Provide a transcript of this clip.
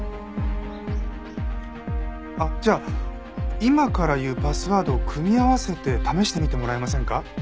あっじゃあ今から言うパスワードを組み合わせて試してみてもらえませんか？